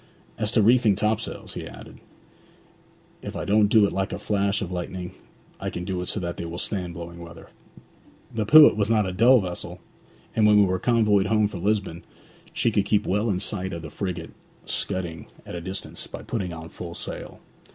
'As to reefing topsails,' he added, 'if I don't do it like a flash of lightning, I can do it so that they will stand blowing weather. The Pewit was not a dull vessel, and when we were convoyed home from Lisbon, she could keep well in sight of the frigate scudding at a distance, by putting on full sail.